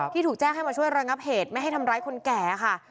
ถูกแจ้งให้มาช่วยระงับเหตุไม่ให้ทำร้ายคนแก่ค่ะ